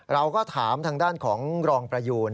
เราก็ถามทางด้านของรองประยูน